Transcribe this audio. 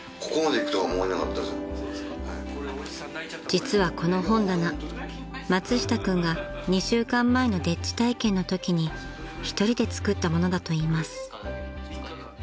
［実はこの本棚松下君が２週間前の丁稚体験のときに１人で作ったものだといいます］